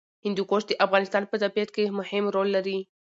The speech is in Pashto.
هندوکش د افغانستان په طبیعت کې مهم رول لري.